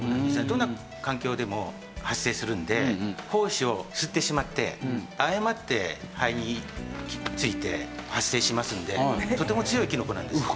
どんな環境でも発生するんで胞子を吸ってしまって誤って肺にひっついて発生しますのでとても強いキノコなんですよ。